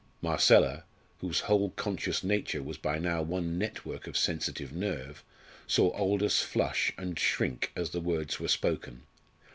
Marcella, whose whole conscious nature was by now one network of sensitive nerve, saw Aldous flush and shrink as the words were spoken.